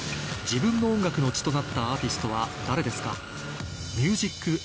自分の音楽の血となったアーティストは誰ですか？